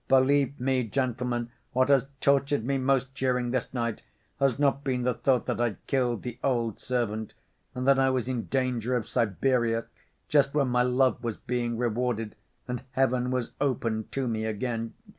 Believe me, gentlemen, what has tortured me most during this night has not been the thought that I'd killed the old servant, and that I was in danger of Siberia just when my love was being rewarded, and Heaven was open to me again.